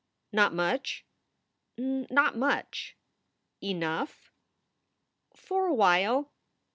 "Not much?" "Not much." "Enough?" "For a while."